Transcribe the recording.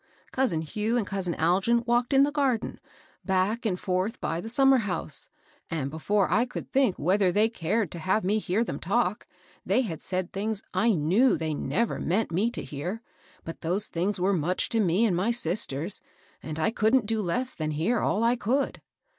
Cousin Hugh and cousin Algin walked in the garden, back and forth by the summer house, and before I could think whether they cared to have me hear them talk, they had said thii^gs I knew they never meant me to hear. But those things were much to me and my sisters, and I couldn't do less than hear all I could.